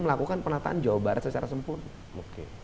melakukan penataan jawa barat secara sempurna mungkin